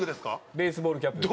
ベースボールキャップ。